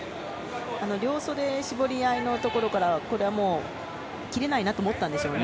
両袖絞り合いのところからこれはもう、切れないなと思ったんですよね。